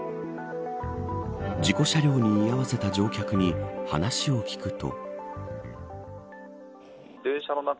事故車両に居合わせた乗客に話を聞くと。